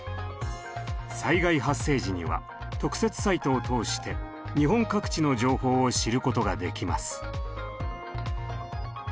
災害発生時には特設サイトを通して日本各地の情報を知ることができます。